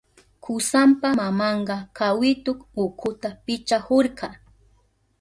Kusanpa mamanka kawitu ukuta pichahurka.